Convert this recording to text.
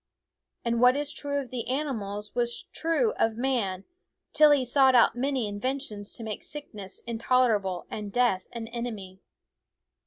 And what is true of the animals was true of man till he sought out many inven tions to make sickness intolerable and death an enemy.